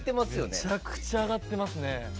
めちゃくちゃ上がってますね。